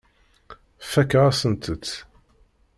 Fakeɣ-asent-t.